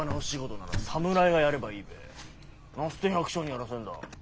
なすて百姓にやらせんだ？